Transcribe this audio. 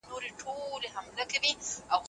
که خاوند د رجوع اراده نه لرله نو حکم څه دی؟